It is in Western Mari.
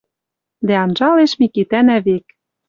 Дӓ анжалеш Микитӓнӓ век.